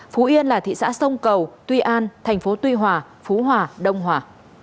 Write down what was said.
phú yên là thị xã sông cầu tuy an thành phố tuy hòa phú hòa đông hòa